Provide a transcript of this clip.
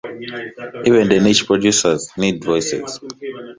Even the niche producers need voices.